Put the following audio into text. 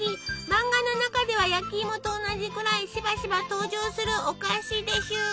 漫画の中では焼きいもと同じくらいしばしば登場するお菓子です。